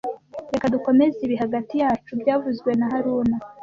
Reka dukomeze ibi hagati yacu byavuzwe na haruna